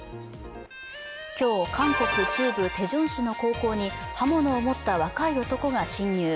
今日韓国中部テジョン市の高校に刃物を持った若い男が侵入。